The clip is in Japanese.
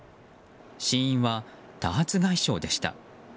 死因は多発外傷でした。